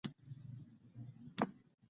څرنګه یې؟